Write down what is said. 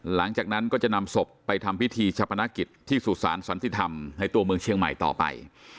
หลังจากนั้นก็จะนำศพไปทำพิธีชะพนักกิจที่สุสานสันติธรรมในตัวเมืองเชียงใหม่ต่อไป